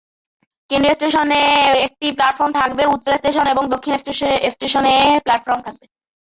কেন্দ্রীয় স্টেশনে একটি প্ল্যাটফর্ম থাকবে; উত্তর স্টেশন এবং দক্ষিণ স্টেশনে প্ল্যাটফর্ম থাকবে।